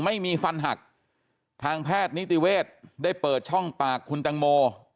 ไม่มีฟันหักทางแพทย์นิติเวศได้เปิดช่องปากคุณตังโม